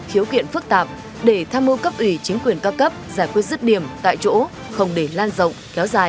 khiếu kiện phức tạp để tham mưu cấp ủy chính quyền cao cấp giải quyết rứt điểm tại chỗ không để lan rộng kéo dài